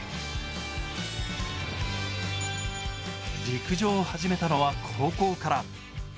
陸上を始めたのは高校から。